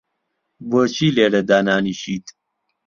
بۆچی لێرە دانانیشیت؟